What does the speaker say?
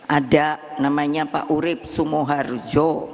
ada namanya pak urib sumoharjo